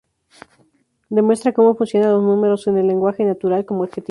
Demuestra cómo funcionan los números en el lenguaje natural como adjetivos.